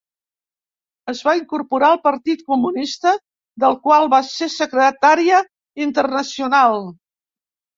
Es va incorporar al Partit Comunista, del qual va ser Secretària Internacional.